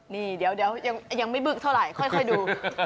นี่เดี๋ยวยังไม่บึกเท่าไหร่ค่อยดู